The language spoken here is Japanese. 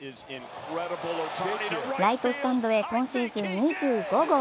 ラストスタンドへ今シーズン２５号。